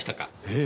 ええ。